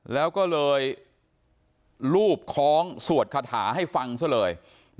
แล้วก็เลยรูปคล้องสวดคาถาให้ฟังซะเลย